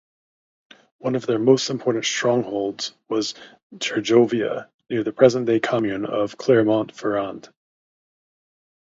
One of their most important stronghold was Gergovia, near the present-day commune of Clermont-Ferrand.